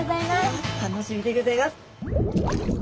楽しみでギョざいます。